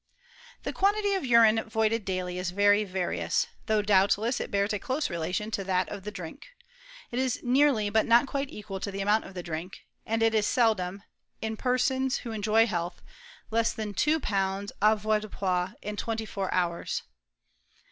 The quantity of urine voided daily is very vari though, doubtless, it bears a close relation to that of the driak. It is nearly but not quite equal to the amount of the drink; and is seldom, in persons who enjoy health, less than 2 lbs. avoirdupois ir twenty four hours.